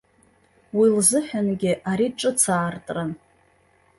Уи лзыҳәангьы ари ҿыцаартран.